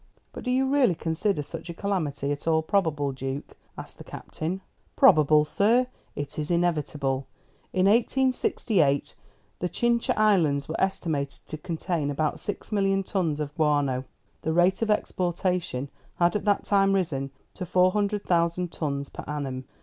"But do you really consider such a calamity at all probable, Duke?" asked the Captain. "Probable, sir? It is inevitable. In 1868 the Chincha Islands were estimated to contain about six million tons of guano. The rate of exportation had at that time risen to four hundred thousand tons per annum.